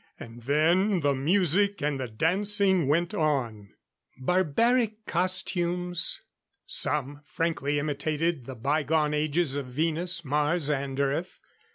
And then the music and the dancing went on. Barbaric costumes? Some frankly imitated the bygone ages of Venus, Mars and Earth.